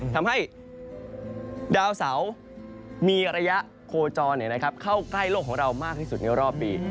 ทำให้ดาวเสามีระยะโคจรเข้าใกล้โลกของเรามากที่สุดในรอบปี